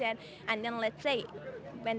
dan kita lihat mereka berani